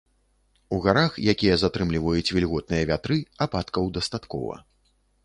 У гарах, якія затрымліваюць вільготныя вятры, ападкаў дастаткова.